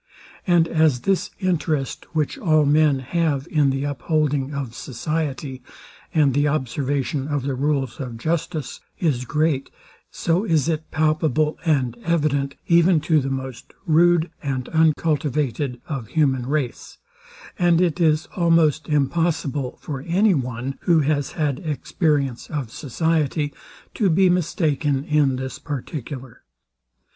And as this interest, which all men have in the upholding of society, and the observation of the rules of justice, is great, so is it palpable and evident, even to the most rude and uncultivated of human race; and it is almost impossible for any one, who has had experience of society, to be mistaken in this particular.